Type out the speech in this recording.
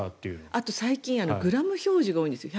あと最近グラム表示が多いんです。